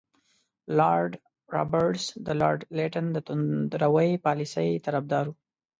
لارډ رابرټس د لارډ لیټن د توندروي پالیسۍ طرفدار وو.